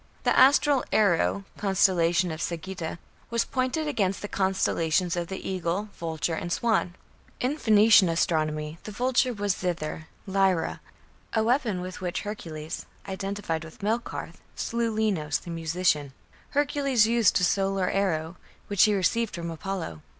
The astral "Arrow" (constellation of Sagitta) was pointed against the constellations of the "Eagle", "Vulture", and "Swan". In Phoenician astronomy the Vulture was "Zither" (Lyra), a weapon with which Hercules (identified with Melkarth) slew Linos, the musician. Hercules used a solar arrow, which he received from Apollo.